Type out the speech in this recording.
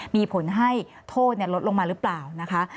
มีผลให้โทษลดลงมาหรือเปล่านะคะ